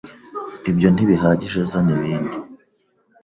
Ibyo ntibihagije zana ibindi